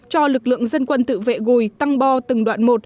cho lực lượng dân quân tự vệ gùi tăng bo từng đoạn một